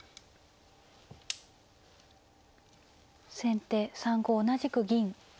先手３五同じく銀。